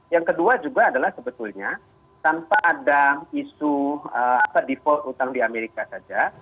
yang kedua juga adalah sebetulnya tanpa ada isu default utang di amerika saja